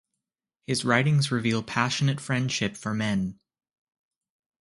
His writings reveal passionate friendship for men.